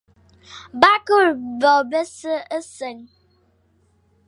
Ba kule bo bese nseñ,